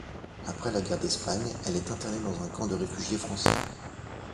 Après la Guerre d'Espagne, elle est internée dans un camp de réfugiés français.